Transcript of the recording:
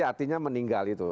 ya artinya meninggal itu